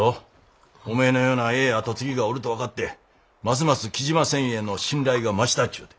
おめえのようなええ後継ぎがおると分かってますます雉真繊維への信頼が増したっちゅうて。